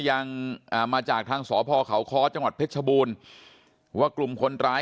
อ่ามาจากทางสพเขาค้อจังหวัดเพชรชบูรณ์ว่ากลุ่มคนร้าย